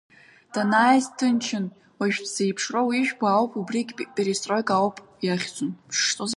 Данааиз дҭынчын, уажә дзеиԥшроу ижәбо ауп убригь перестроика ауп иахьӡу.